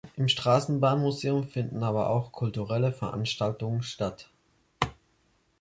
Im Straßenbahnmuseum finden aber auch kulturelle Veranstaltungen statt.